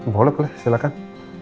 boleh boleh silakan